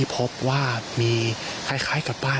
และก็คือว่าถึงแม้วันนี้จะพบรอยเท้าเสียแป้งจริงไหม